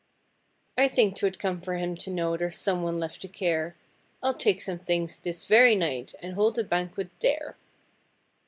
'I think 'twould comfort him to know there's someone left to care, I'll take some things this very night and hold a banquet there!